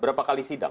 berapa kali sidang